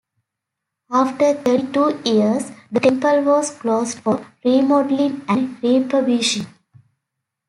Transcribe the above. After thirty-two years, the temple was closed for remodeling and refurbishing.